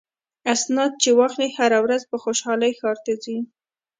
اسناد چې واخلي هره ورځ په خوشحالۍ ښار ته ځي.